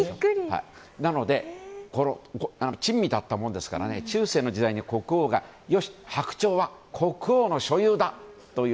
なので、珍味だったものですから中世の時代に国王が白鳥は国王の所有だと言う。